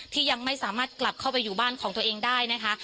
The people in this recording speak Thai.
ยังไม่สามารถกลับเข้าไปอยู่บ้านของตัวเองได้นะคะ